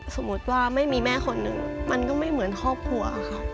สมมุติว่าไม่มีแม่คนหนึ่งมันก็ไม่เหมือนครอบครัวค่ะ